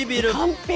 完璧！